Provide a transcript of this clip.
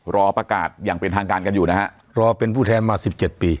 รอประกาศอย่างเป็นทางการกันอยู่นะฮะรอเป็นผู้แทนมาสิบเจ็ดปี